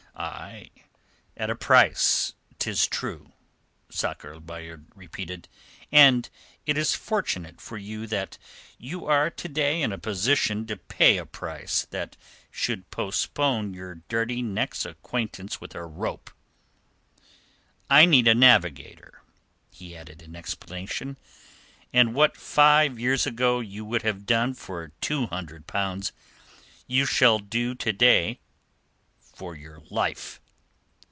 "Ay, at a price, 'tis true," Sakr el Bahr repeated. "And it is fortunate for you that you are to day in a position to pay a price that should postpone your dirty neck's acquaintance with a rope. I need a navigator," he added in explanation, "and what five years ago you would have done for two hundred pounds, you shall do to day for your life.